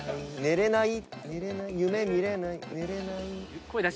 眠れない。